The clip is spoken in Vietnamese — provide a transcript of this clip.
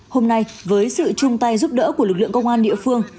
hôm nay với sự chung tay giúp đỡ của lực lượng công an địa phương